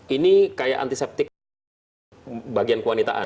ini kayak antiseptik bagian kewanitaan